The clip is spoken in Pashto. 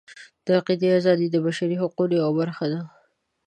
د عقیدې ازادي د بشري حقونو یوه برخه ده.